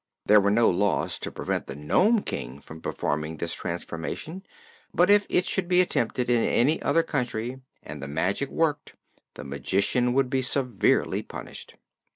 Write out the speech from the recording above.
There were no laws to prevent the Nome King from performing this transformation, but if it should be attempted in any other country, and the magic worked, the magician would be severely punished.)